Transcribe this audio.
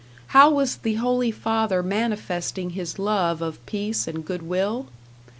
How was the Holy Father manifesting his love of peace and good will?